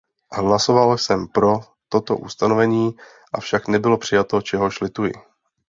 Hlasoval jsem pro toto ustanovení, avšak nebylo přijato, čehož lituji.